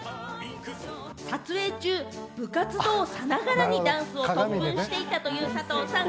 撮影中、部活動さながらにダンスを特訓していたという佐藤さん。